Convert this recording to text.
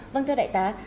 vâng thưa đại tá